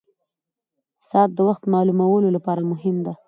ساعت د وخت معلومولو لپاره مهم ده.